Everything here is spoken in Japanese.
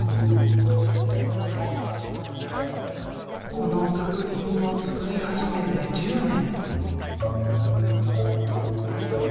この作品を作り始めて１０年。